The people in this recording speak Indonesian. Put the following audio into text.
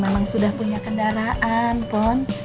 mumu memang sudah punya kendaraan pon